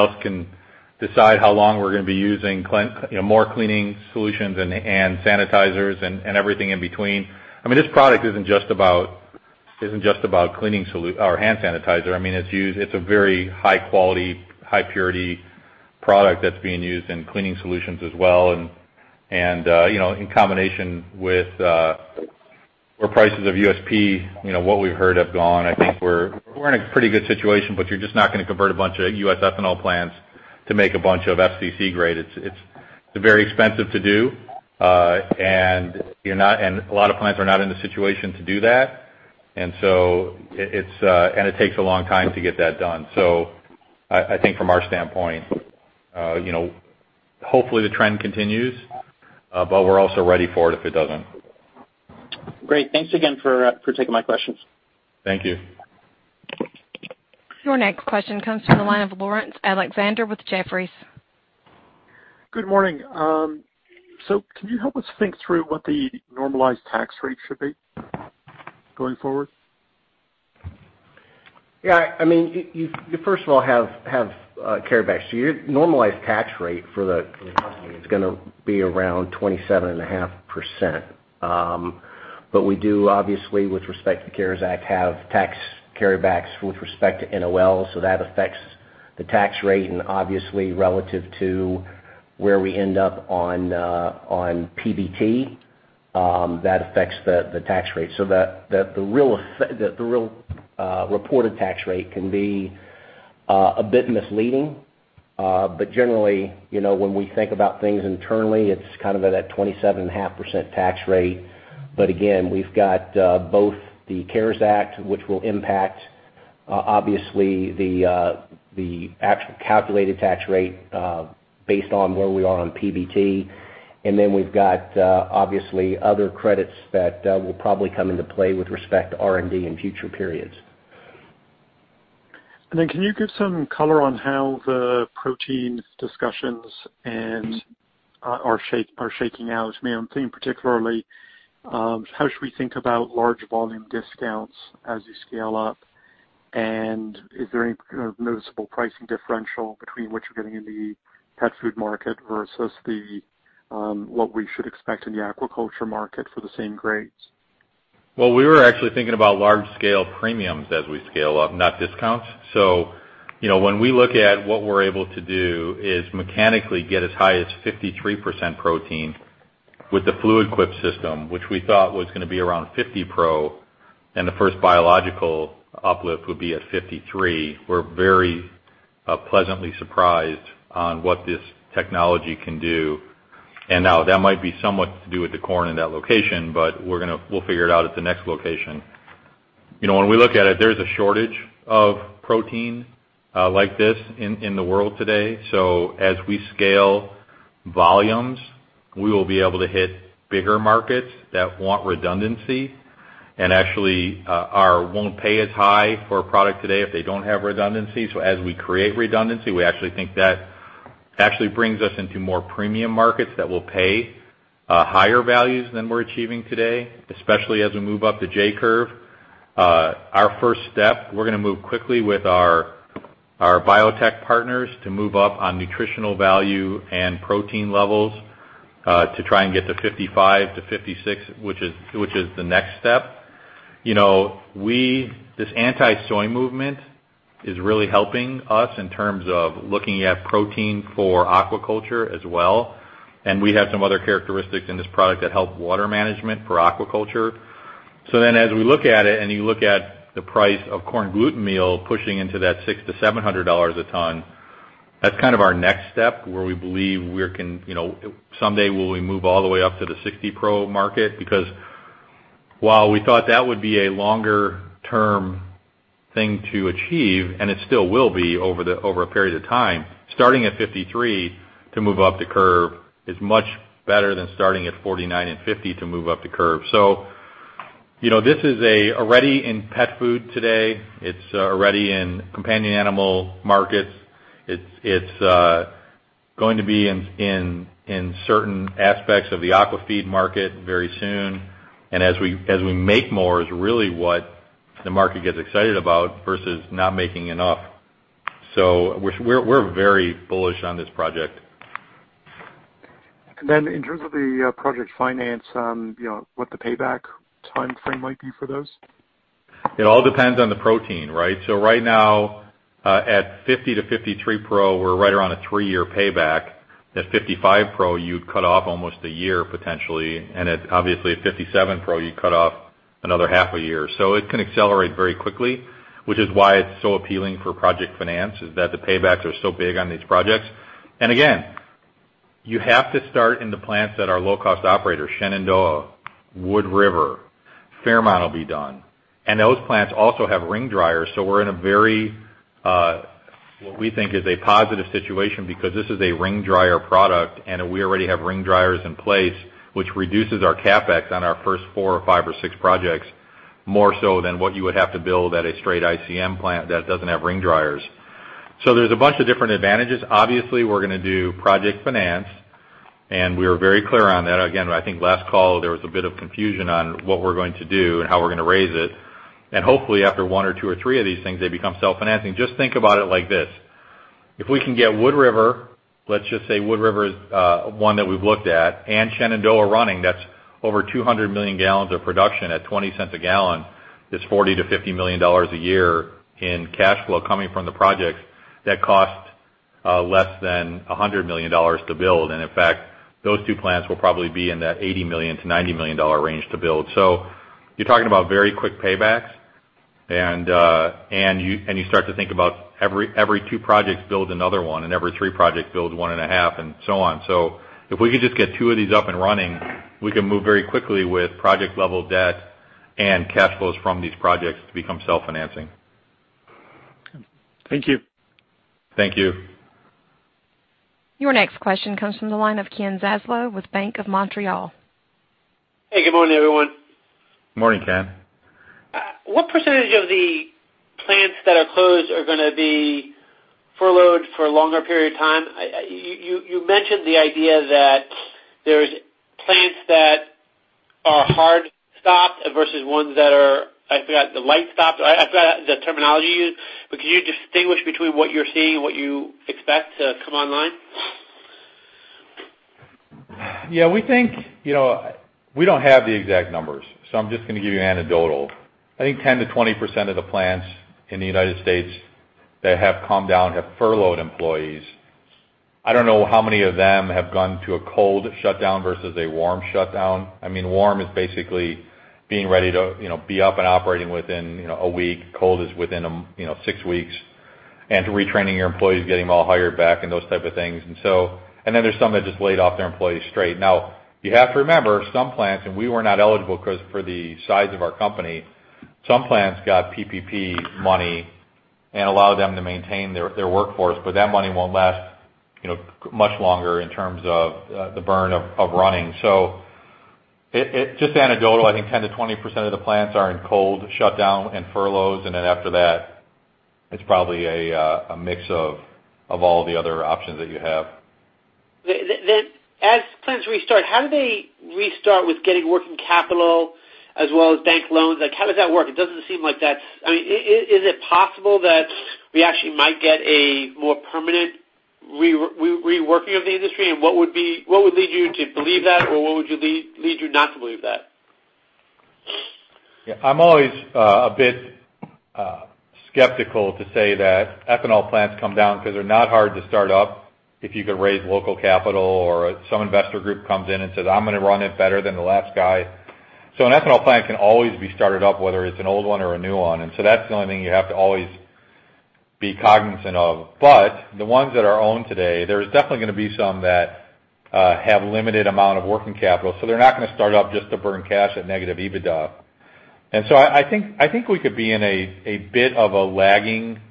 [SPEAKER 3] else can decide how long we're going to be using more cleaning solutions and hand sanitizers and everything in between. This product isn't just about hand sanitizer. It's a very high quality, high purity product that's being used in cleaning solutions as well, and in combination with where prices of USP, what we've heard have gone. I think we're in a pretty good situation. You're just not going to convert a bunch of U.S. ethanol plants to make a bunch of FCC grade. It's very expensive to do, and a lot of plants are not in the situation to do that, and it takes a long time to get that done. I think from our standpoint, hopefully the trend continues. We're also ready for it if it doesn't.
[SPEAKER 9] Great. Thanks again for taking my questions.
[SPEAKER 3] Thank you.
[SPEAKER 1] Your next question comes from the line of Laurence Alexander with Jefferies.
[SPEAKER 10] Good morning. Can you help us think through what the normalized tax rate should be going forward?
[SPEAKER 4] Yeah. I mean, you, first of all, have carryback. Your normalized tax rate for the company is going to be around 27.5%. We do, obviously, with respect to CARES Act, have tax carrybacks with respect to NOLs, that affects the tax rate. Obviously, relative to where we end up on PBT, that affects the tax rate. The real reported tax rate can be a bit misleading. Generally, when we think about things internally, it's at that 27.5% tax rate. Again, we've got both the CARES Act, which will impact, obviously, the actual calculated tax rate based on where we are on PBT. We've got, obviously, other credits that will probably come into play with respect to R&D in future periods.
[SPEAKER 10] Then can you give some color on how the proteins discussions are shaking out? I'm thinking particularly, how should we think about large volume discounts as you scale up? Is there any noticeable pricing differential between what you're getting in the pet food market versus what we should expect in the aquaculture market for the same grades?
[SPEAKER 3] Well, we were actually thinking about large scale premiums as we scale up, not discounts. When we look at what we're able to do is mechanically get as high as 53% protein with the Fluid Quip system, which we thought was going to be around 50% pro, and the first biological uplift would be at 53%. We're very pleasantly surprised on what this technology can do. Now, that might be somewhat to do with the corn in that location, but we'll figure it out at the next location. When we look at it, there's a shortage of protein like this in the world today. As we scale volumes, we will be able to hit bigger markets that want redundancy, and actually won't pay as high for a product today if they don't have redundancy. As we create redundancy, we actually think that actually brings us into more premium markets that will pay higher values than we're achieving today, especially as we move up the J-curve. Our first step, we're going to move quickly with our biotech partners to move up on nutritional value and protein levels, to try and get to 55%-56%, which is the next step. This anti-soy movement is really helping us in terms of looking at protein for aquaculture as well, and we have some other characteristics in this product that help water management for aquaculture. As we look at it, and you look at the price of corn gluten meal pushing into that $600-$700 a ton, that's our next step where we believe we can someday will we move all the way up to the 60% pro market. Because while we thought that would be a longer term thing to achieve, and it still will be over a period of time, starting at 53% to move up the curve is much better than starting at 49% and 50% to move up the curve. This is already in pet food today. It's already in companion animal markets. It's going to be in certain aspects of the aqua-feed market very soon. As we make more is really what the market gets excited about versus not making enough. We're very bullish on this project.
[SPEAKER 10] In terms of the project finance, what the payback timeframe might be for those?
[SPEAKER 3] It all depends on the protein, right? Right now, at 50%-53% pro, we're right around a three-year payback. At 55% pro, you'd cut off almost a year, potentially. Obviously at 57% pro, you cut off another half a year. It can accelerate very quickly, which is why it's so appealing for project finance, is that the paybacks are so big on these projects. Again, you have to start in the plants that are low-cost operators, Shenandoah, Wood River, Fairmont will be done. Those plants also have ring dryers. We are in a very, what we think is a positive situation because this is a ring dryer product, and we already have ring dryers in place, which reduces our CapEx on our first four or five or six projects, more so than what you would have to build at a straight ICM plant that doesn't have ring dryers. Obviously, we're going to do project finance, and we are very clear on that. Again, I think last call, there was a bit of confusion on what we're going to do and how we're going to raise it. Hopefully after one or two or three of these things, they become self-financing. Just think about it like this. If we can get Wood River, let's just say Wood River is one that we've looked at, and Shenandoah running, that's over 200 million gallons of production at $0.20 a gallon, is $40 million-$50 million a year in cash flow coming from the projects that cost less than $100 million to build. In fact, those two plants will probably be in that $80 million-$90 million range to build. You're talking about very quick paybacks. You start to think about every two projects build another one, and every three projects build one and a half, and so on. If we could just get two of these up and running, we can move very quickly with project level debt and cash flows from these projects to become self-financing.
[SPEAKER 10] Thank you.
[SPEAKER 3] Thank you.
[SPEAKER 1] Your next question comes from the line of Ken Zaslow with Bank of Montreal.
[SPEAKER 11] Hey, good morning, everyone.
[SPEAKER 3] Morning, Ken.
[SPEAKER 11] What percentage of the plants that are closed are going to be furloughed for a longer period of time? You mentioned the idea that there's plants that are hard-stopped versus ones that are, I forgot, the light-stopped. I forgot the terminology you used, but could you distinguish between what you're seeing and what you expect to come online?
[SPEAKER 3] Yeah, we don't have the exact numbers. I'm just going to give you anecdotal. I think 10%-20% of the plants in the United States that have come down have furloughed employees. I don't know how many of them have gone to a cold shutdown versus a warm shutdown. Warm is basically being ready to be up and operating within a week. Cold is within six weeks, to retraining your employees, getting them all hired back and those type of things. There's some that just laid off their employees straight. Now, you have to remember some plants, and we were not eligible because for the size of our company, some plants got PPP money and allowed them to maintain their workforce, that money won't last much longer in terms of the burn of running. Just anecdotal, I think 10%-20% of the plants are in cold shutdown and furloughs, and then after that, it's probably a mix of all the other options that you have.
[SPEAKER 11] Then as plants restart, how do they restart with getting working capital as well as bank loans? Like how does that work? Is it possible that we actually might get a more permanent reworking of the industry? What would lead you to believe that, or what would lead you not to believe that?
[SPEAKER 3] I'm always a bit skeptical to say that ethanol plants come down because they're not hard to start up if you could raise local capital or some investor group comes in and says, "I'm going to run it better than the last guy." An ethanol plant can always be started up, whether it's an old one or a new one. That's the only thing you have to always be cognizant of. The ones that are owned today, there's definitely going to be some that have limited amount of working capital. They're not going to start up just to burn cash at negative EBITDA. I think we could be in a bit of a lagging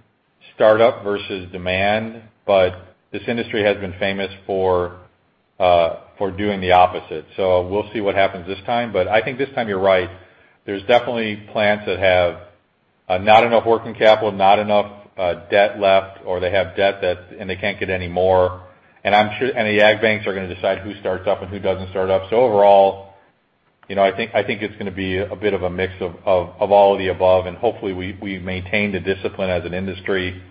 [SPEAKER 3] startup versus demand, but this industry has been famous for doing the opposite. We'll see what happens this time. I think this time you're right. There's definitely plants that have not enough working capital, not enough debt left, or they have debt and they can't get any more. The ag banks are going to decide who starts up and who doesn't start up. Overall, I think it's going to be a bit of a mix of all of the above, and hopefully we maintain the discipline as an industry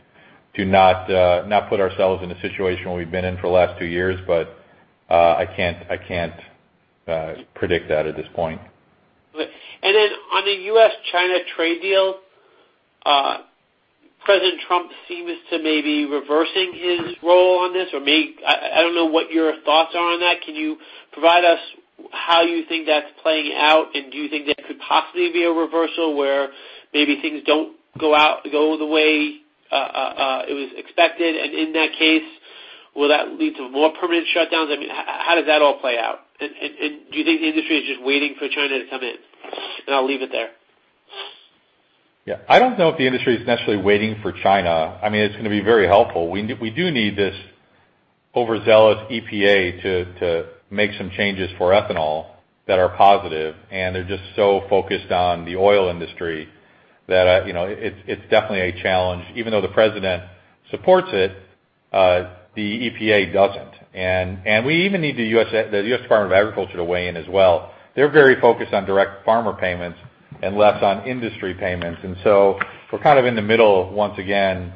[SPEAKER 3] to not put ourselves in a situation where we've been in for the last two years. I can't predict that at this point.
[SPEAKER 11] On the U.S.-China trade deal, President Trump seems to maybe reversing his role on this. I don't know what your thoughts are on that. Can you provide us how you think that's playing out, and do you think there could possibly be a reversal where maybe things don't go the way it was expected? In that case, will that lead to more permanent shutdowns? How does that all play out? Do you think the industry is just waiting for China to come in? I'll leave it there.
[SPEAKER 3] I don't know if the industry is necessarily waiting for China. It's going to be very helpful. We do need this overzealous EPA to make some changes for ethanol that are positive, and they're just so focused on the oil industry that it's definitely a challenge. Even though the president supports it, the EPA doesn't. We even need the U.S. Department of Agriculture to weigh in as well. They're very focused on direct farmer payments and less on industry payments. So we're kind of in the middle once again,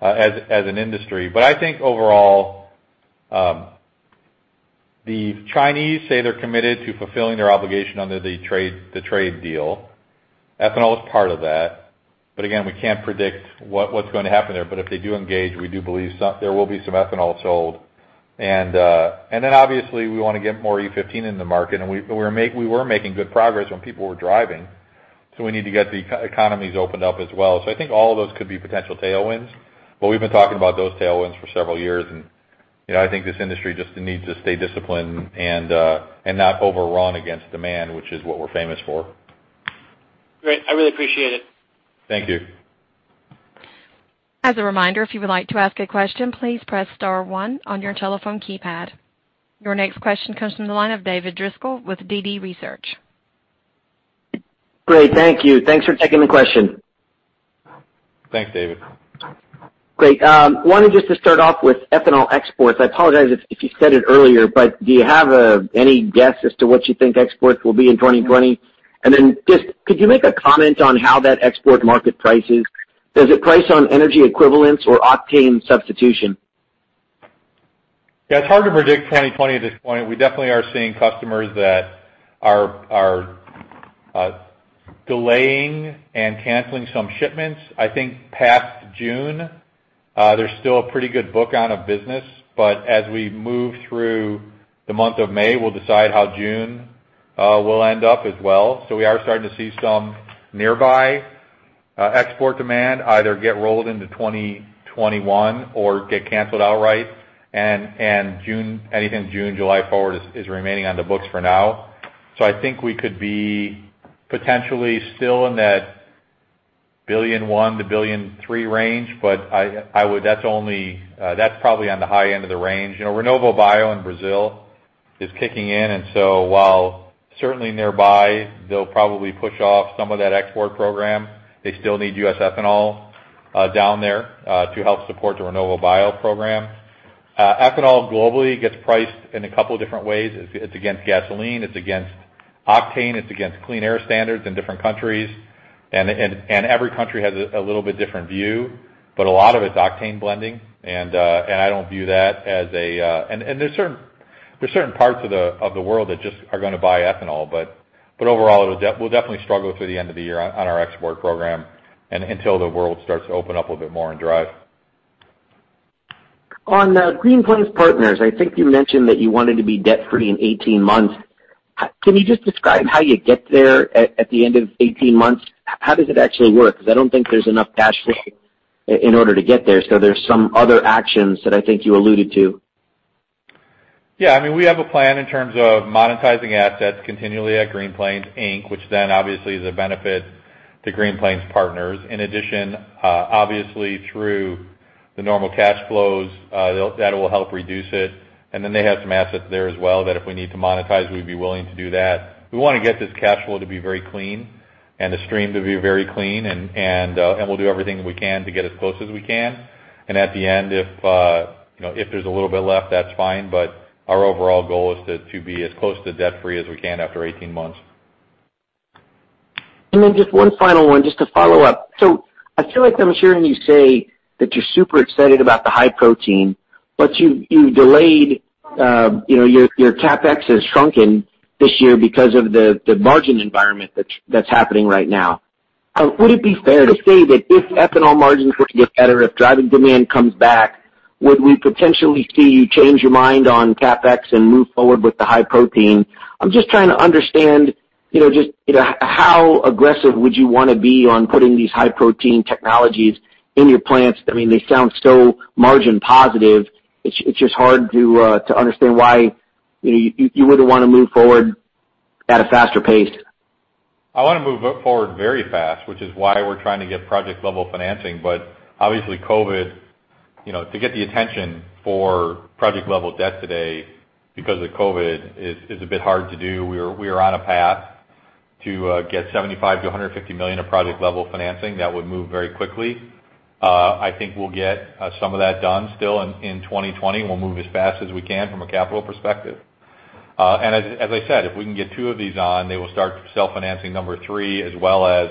[SPEAKER 3] as an industry. I think overall, the Chinese say they're committed to fulfilling their obligation under the trade deal. Ethanol is part of that. Again, we can't predict what's going to happen there. If they do engage, we do believe there will be some ethanol sold. Obviously, we want to get more E15 in the market, and we were making good progress when people were driving. We need to get the economies opened up as well. I think all of those could be potential tailwinds. We've been talking about those tailwinds for several years, and I think this industry just needs to stay disciplined and not overrun against demand, which is what we're famous for.
[SPEAKER 11] Great. I really appreciate it.
[SPEAKER 3] Thank you.
[SPEAKER 1] As a reminder, if you would like to ask a question, please press star one on your telephone keypad. Your next question comes from the line of David Driscoll with DD Research.
[SPEAKER 12] Great. Thank you. Thanks for taking the question.
[SPEAKER 3] Thanks, David.
[SPEAKER 12] Great. Wanted just to start off with ethanol exports. I apologize if you said it earlier, but do you have any guess as to what you think exports will be in 2020? Just could you make a comment on how that export market prices? Is it priced on energy equivalents or octane substitution?
[SPEAKER 3] Yeah. It's hard to predict 2020 at this point. We definitely are seeing customers that are delaying and canceling some shipments. I think past June, there's still a pretty good book of business. As we move through the month of May, we'll decide how June will end up as well. We are starting to see some nearby export demand either get rolled into 2021 or get canceled outright, and anything June, July forward is remaining on the books for now. I think we could be potentially still in that 1.1 billion-1.3 billion range, but that's probably on the high end of the range. RenovaBio in Brazil is kicking in. While certainly nearby, they'll probably push off some of that export program. They still need U.S. ethanol down there to help support the RenovaBio program. Ethanol globally gets priced in a couple different ways. It's against gasoline, it's against octane, it's against clean air standards in different countries. Every country has a little bit different view, but a lot of it's octane blending. There's certain parts of the world that just are going to buy ethanol, but overall, we'll definitely struggle through the end of the year on our export program and until the world starts to open up a bit more and drive.
[SPEAKER 12] On Green Plains Partners, I think you mentioned that you wanted to be debt-free in 18 months. Can you just describe how you get there at the end of 18 months? How does it actually work? Because I don't think there's enough cash flow in order to get there, so there's some other actions that I think you alluded to.
[SPEAKER 3] Yeah. We have a plan in terms of monetizing assets continually at Green Plains Inc, which obviously is a benefit to Green Plains Partners. In addition, obviously through the normal cash flows, that will help reduce it, then they have some assets there as well that if we need to monetize, we'd be willing to do that. We want to get this cash flow to be very clean and the stream to be very clean, we'll do everything we can to get as close as we can. At the end, if there's a little bit left, that's fine, our overall goal is to be as close to debt-free as we can after 18 months.
[SPEAKER 12] Then just one final one, just to follow up. I feel like I'm hearing you say that you're super excited about the high protein, but you delayed, your CapEx has shrunken this year because of the margin environment that's happening right now. Would it be fair to say that if ethanol margins were to get better, if driving demand comes back, would we potentially see you change your mind on CapEx and move forward with the high protein? I'm just trying to understand just how aggressive would you want to be on putting these high protein technologies in your plants. They sound so margin positive. It's just hard to understand why you wouldn't want to move forward at a faster pace.
[SPEAKER 3] I want to move forward very fast, which is why we're trying to get project-level financing. Obviously, to get the attention for project-level debt today because of COVID is a bit hard to do. We are on a path to get $75 million-$150 million of project-level financing that would move very quickly. I think we'll get some of that done still in 2020, and we'll move as fast as we can from a capital perspective. As I said, if we can get two of these on, they will start self-financing number three as well as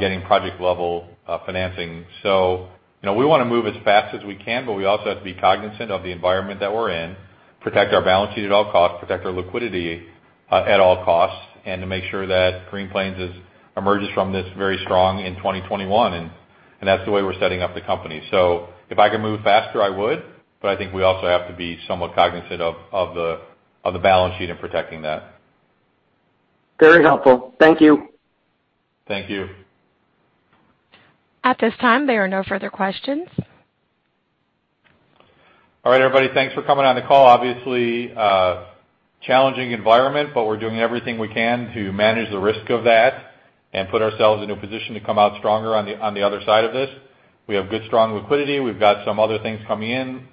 [SPEAKER 3] getting project-level financing. We want to move as fast as we can, but we also have to be cognizant of the environment that we're in, protect our balance sheet at all costs, protect our liquidity at all costs, and to make sure that Green Plains emerges from this very strong in 2021. That's the way we're setting up the company. If I could move faster, I would. I think we also have to be somewhat cognizant of the balance sheet and protecting that.
[SPEAKER 12] Very helpful. Thank you.
[SPEAKER 3] Thank you.
[SPEAKER 1] At this time, there are no further questions.
[SPEAKER 3] All right, everybody. Thanks for coming on the call. Obviously, a challenging environment, but we're doing everything we can to manage the risk of that and put ourselves in a position to come out stronger on the other side of this. We have good, strong liquidity. We've got some other things coming in,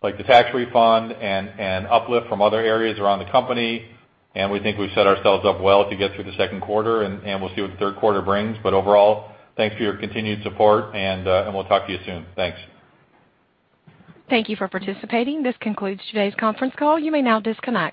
[SPEAKER 3] like the tax refund and uplift from other areas around the company. We think we've set ourselves up well to get through the second quarter, and we'll see what the third quarter brings. Overall, thanks for your continued support, and we'll talk to you soon. Thanks.
[SPEAKER 1] Thank you for participating. This concludes today's conference call. You may now disconnect.